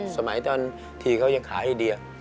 สมัยตอนที่เขายังข่าให้เดียครับ